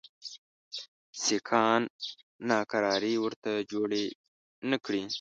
سیکهان ناکراري ورته جوړي نه کړي.